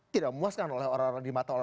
tidak memuaskan oleh orang orang di mata oleh